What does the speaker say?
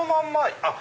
あっ！